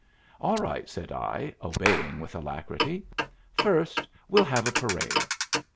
"All right," said I, obeying with alacrity. "First, we'll have a parade."